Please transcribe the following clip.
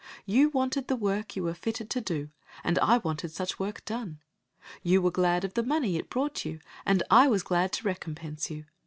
You wanted the work you were fitted to do, and I wanted such work done. You were glad of the money it brought you, and I was glad to recompense you.